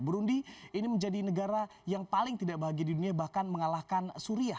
burundi ini menjadi negara yang paling tidak bahagia di dunia bahkan mengalahkan suria